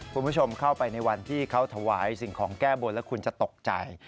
คุณผู้ชมเข้าไปในวันที่เขาถวายสิ่งของแก้บนแล้วคุณจะตกใจ